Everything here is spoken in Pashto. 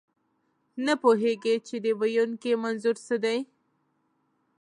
نه پوهېږئ، چې د ویونکي منظور څه دی.